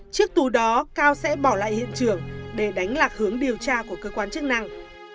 trước tù đó cao sẽ bỏ lại hiện trường để đánh lạc hướng điều tra của cơ quan chức năng